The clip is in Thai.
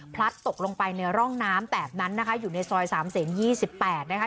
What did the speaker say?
พลัดตกลงไปในร่องน้ำแตกนั้นนะคะอยู่ในซอยสามเสียงยี่สิบแปดนะคะ